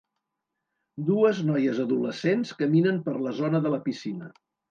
Dues noies adolescents caminen per la zona de la piscina.